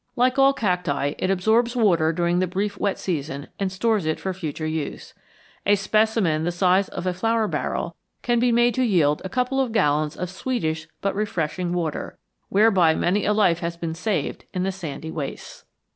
Like all cacti, it absorbs water during the brief wet season and stores it for future use. A specimen the size of a flour barrel can be made to yield a couple of gallons of sweetish but refreshing water, whereby many a life has been saved in the sandy wastes.